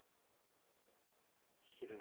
昼寝。